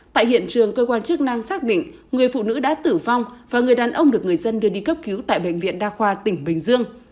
tại hiện trường cơ quan chức năng xác định người phụ nữ đã tử vong và người đàn ông được người dân đưa đi cấp cứu tại bệnh viện đa khoa tỉnh bình dương